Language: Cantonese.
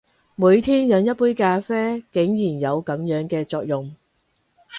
每天飲一杯咖啡，竟然有噉樣嘅作用！